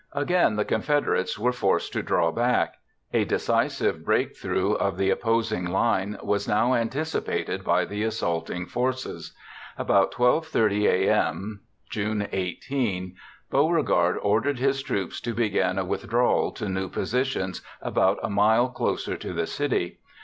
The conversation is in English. Again the Confederates were forced to draw back. A decisive breakthrough of the opposing line was now anticipated by the assaulting forces. About 12:30 a.m., June 18, Beauregard ordered his troops to begin a withdrawal to new positions about a mile closer to the city.